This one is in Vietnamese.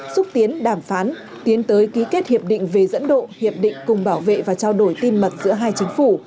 xúc tiến đàm phán tiến tới ký kết hiệp định về dẫn độ hiệp định cùng bảo vệ và trao đổi tin mật giữa hai chính phủ